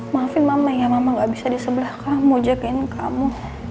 maafin mama ya mama gak bisa di sebelah kamu jagain kamu